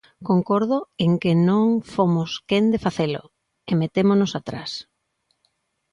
Concordo en que non fomos quen de facelo, e metémonos atrás.